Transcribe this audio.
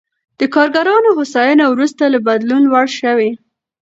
د کارګرانو هوساینه وروسته له بدلون لوړ شوې.